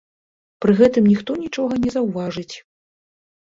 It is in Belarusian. Пры гэтым ніхто нічога не заўважыць.